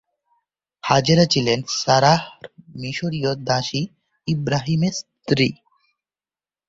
হাজেরা ছিলেন সারাহ-র মিশরীয় দাসী, ইব্রাহিমের স্ত্রী।